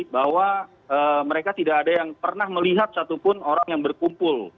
bahwa mereka tidak ada yang pernah melihat satupun orang yang berkumpul